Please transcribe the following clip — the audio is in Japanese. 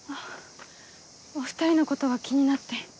お２人のことが気になって。